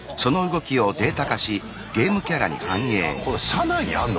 社内にあんの？